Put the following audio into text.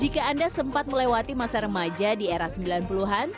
jika anda sempat melewati masa remaja di era sembilan puluh an